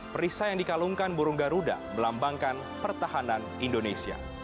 perisai yang dikalungkan burung garuda melambangkan pertahanan indonesia